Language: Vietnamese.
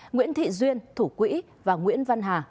nguyễn thị duyên thủ quỹ và nguyễn văn hà